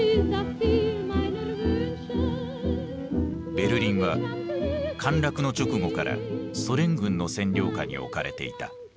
ベルリンは陥落の直後からソ連軍の占領下に置かれていた。